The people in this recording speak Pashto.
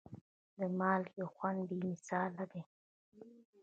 د مالګې خوند بې مثاله دی.